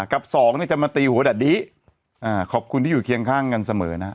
กับสองเนี่ยจะมาตีหัวแบบนี้ขอบคุณที่อยู่เคียงข้างกันเสมอนะ